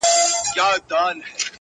لوستونکي بېلابېل نظرونه ورکوي،